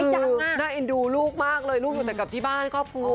คือน่าเอ็นดูลูกมากเลยลูกอยู่แต่กลับที่บ้านครอบครัว